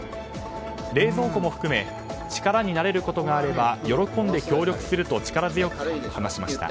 冷蔵庫も含め力になれることがあれば喜んで協力すると力強く話しました。